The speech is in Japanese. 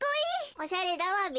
おしゃれだわべ。